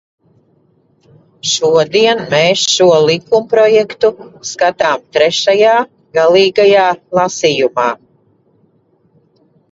Šodien mēs šo likumprojektu skatām trešajā, galīgajā, lasījumā.